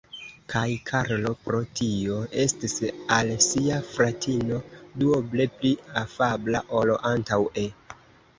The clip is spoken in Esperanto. Kaj Karlo pro tio estis al sia fratino duoble pli afabla ol antaŭe.